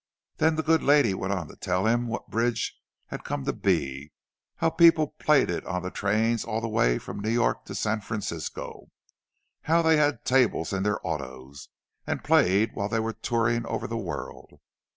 Then the good lady went on to tell him what bridge had come to be; how people played it on the trains all the way from New York to San Francisco; how they had tables in their autos, and played while they were touring over the world.